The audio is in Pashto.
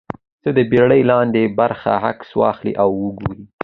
څخه د بېړۍ لاندې برخې عکس واخلي او وګوري